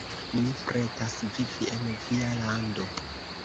Mi pretas vivi en via lando!